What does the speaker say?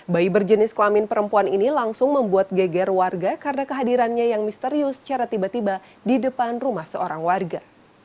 bayi berjenis kelamin perempuan ini langsung membuat geger warga karena kehadirannya yang misterius secara tiba tiba di depan rumah seorang warga